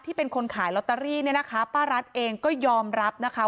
เป็นคนขายลอตเตอรี่เนี่ยนะคะป้ารัฐเองก็ยอมรับนะคะ